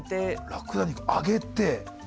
ラクダ肉揚げて。